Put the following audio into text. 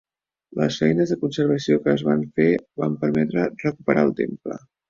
Les feines de conservació que es van fer van permetre recuperar el temple.